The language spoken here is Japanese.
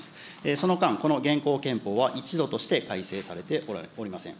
その間、この現行憲法は、一度として改正されておりません。